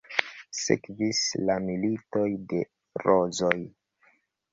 Sekvis la Militoj de Rozoj.